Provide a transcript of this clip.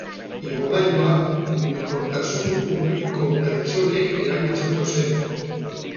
Igogailua mugikortasun urriko pertsonek erabiltzeko zen.